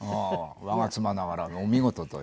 我が妻ながらお見事という。